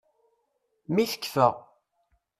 Mi tekkfa.